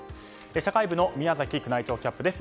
社会部の宮崎宮内庁キャップです。